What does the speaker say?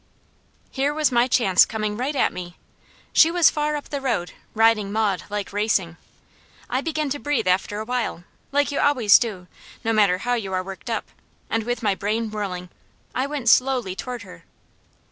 Here was my chance coming right at me. She was far up the road, riding Maud like racing. I began to breathe after a while, like you always do, no matter how you are worked up, and with my brain whirling, I went slowly toward her.